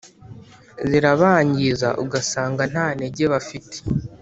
Zirabangiza ugasanga nta ntege bafite